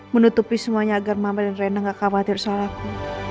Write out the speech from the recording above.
menutupi semuanya agar mama dan renda gak khawatir soal aku